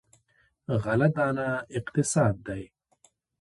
غله دانه اقتصاد دی.